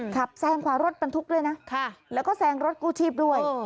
แซงขวารถบรรทุกด้วยนะแล้วก็แซงรถกู้ชีพด้วย